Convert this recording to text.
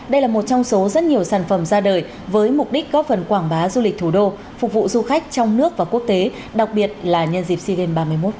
đây là một trong số rất nhiều sản phẩm ra đời với mục đích góp phần quảng bá du lịch thủ đô phục vụ du khách trong nước và quốc tế đặc biệt là nhân dịp sea games ba mươi một